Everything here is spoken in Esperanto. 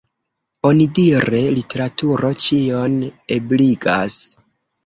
Onidire, literaturo ĉion ebligas.